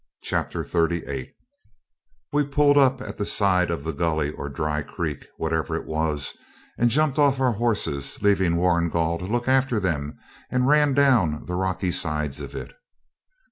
Chapter 38 We all pulled up at the side of the gully or dry creek, whatever it was, and jumped off our horses, leaving Warrigal to look after them, and ran down the rocky sides of it.